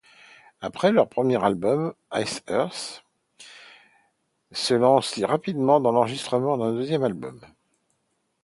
Après leur premier album, Iced Earth se lance rapidement dans l'enregistrement d'un deuxième album.